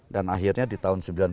dan akhirnya di tahun